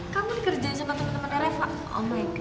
kamu dikerjain sama teman teman rfah